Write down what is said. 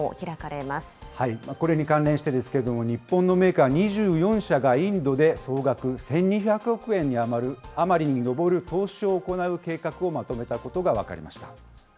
これに関連してですけれども、日本のメーカー２４社が、インドで総額１２００億円余りに上る投資を行う計画をまとめたこ